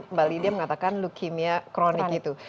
mbak lydia mengatakan leukemia kronik itu